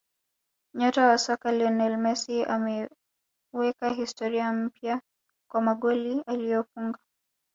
Nyota wa soka Lionel Messi ameweka historia mpya kwa magoli aliyofunga